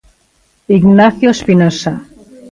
Ignacio Espinosa.